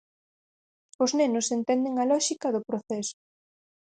Os nenos entenden a lóxica do proceso.